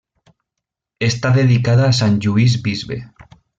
Està dedicada a sant Lluís bisbe.